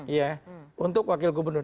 ya untuk wakil gubernur